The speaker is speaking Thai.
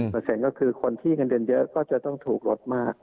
เปอร์เซ็นต์ก็คือคนที่เงินเดือนเยอะก็จะต้องถูกลดมาก